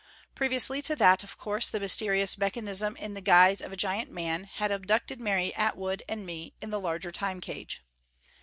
Previously to that, of course, the mysterious mechanism in the guise of a giant man had abducted Mary Atwood and me in the larger Time cage.